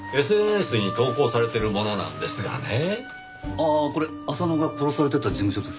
ああこれ浅野が殺されてた事務所ですよね。